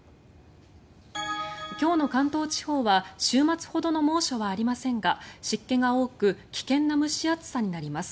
今日の関東地方は週末ほどの猛暑はありませんが湿気が多く危険な蒸し暑さになります。